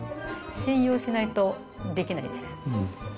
信用しないとできないです。